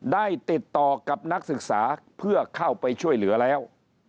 ได้ติดต่อกับนักศึกษาเพื่อเข้าไปช่วยเหลือแล้ว